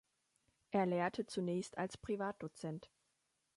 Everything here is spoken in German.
Er lehrte zunächst als Privatdozent.